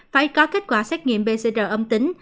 phải có kết quả xét nghiệm pcr âm tính